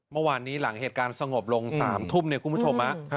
เมื่อวานนี้หลังเหตุการณ์สงบลง๓ทุ่มเนี่ยคุณผู้ชม